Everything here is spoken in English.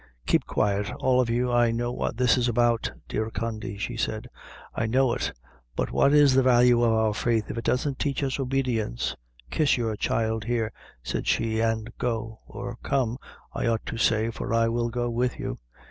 Keep quiet, all of you. I know what this is about, dear Condy," she said; "I know it; but what is the value of our faith, if it doesn't teach us obedience? Kiss your child, here," said she, "an' go or come, I ought to say, for I will go with you.